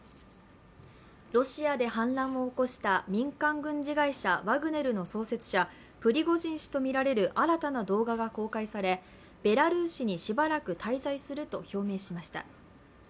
ロシアで反乱を起こした民間軍事会社ワグネルの創設者プリゴジン氏とみられる新たな動画が公開されベラルーシにしばらく滞在すると表明しました。